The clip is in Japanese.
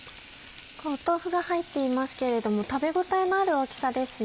豆腐が入っていますけれども食べ応えのある大きさですね。